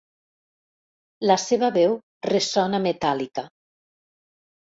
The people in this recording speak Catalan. La seva veu ressona metàl·lica.